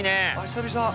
久々。